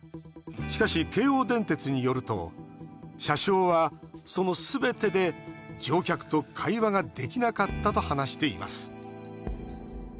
しかし京王電鉄によると車掌は、そのすべてで乗客と会話ができなかったと話しています。